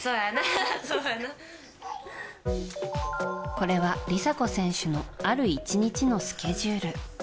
これは梨紗子選手のある１日のスケジュール。